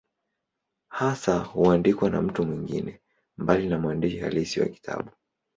Hasa huandikwa na mtu mwingine, mbali na mwandishi halisi wa kitabu.